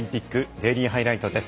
デイリーハイライトです。